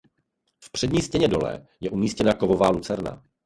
V přední stěně dole je umístěna kovová lucerna.